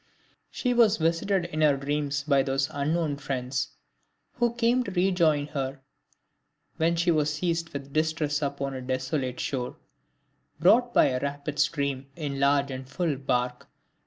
She was visited in her dreams by those "unknown friends" who came to rejoin her "when she was seized with distress upon a desolate shore," brought by a "rapid stream... in large and full bark"...